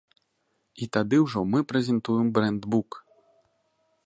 І тады ўжо мы прэзентуем брэндбук.